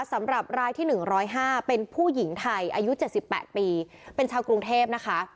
สำหรับรายที่๑๐๕เป็นผู้หญิงไทยอายุ๗๘ปีเป็นชาวกรุงเทพนะคะ